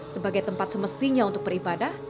sebagai tempat semestinya untuk beribadah